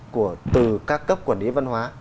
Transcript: của từ các cấp quản lý văn hóa